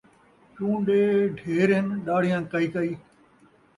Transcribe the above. چون٘ڈے ڈھیر ہن، ݙاڑھیاں کئی کئی